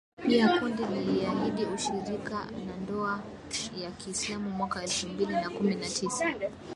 Pia kundi liliahidi ushirika na dola ya kiislamu mwaka elfu mbili na kumi na tisa